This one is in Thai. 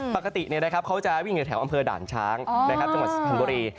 ปกติเขาจะวิ่งอยู่แถวอำเภอด่านช้างจังหวัดสุพรรณบุรี